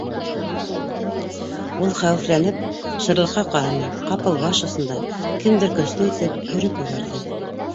Ул, хәүефләнеп, шырлыҡҡа ҡараны, ҡапыл баш осонда кемдер көслө итеп өрөп ебәрҙе.